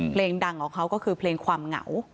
เพลงดังของเขาก็คือเพลงความเหงา